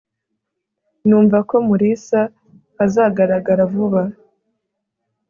numva ko mulisa azagaragara vuba